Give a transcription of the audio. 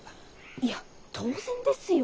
いや当然ですよ。